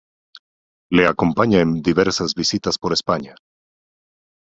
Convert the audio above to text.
Le acompaña en diversas visitas por España.